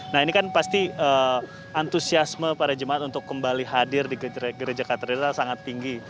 nah ini kan pasti antusiasme para jemaat untuk kembali hadir di gereja katedral sangat tinggi